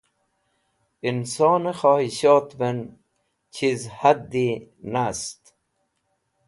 Insone Khahishotven Chiz Haddi Nast